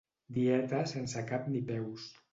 Dieta sense cap ni peus.